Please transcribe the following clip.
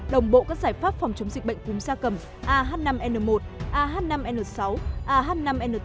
đồng bộ các giải pháp phòng chống dịch bệnh cúm gia cầm ah năm n một ah năm n sáu ah năm nt